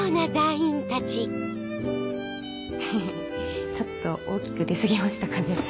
ヘヘヘちょっと大きく出過ぎましたかね。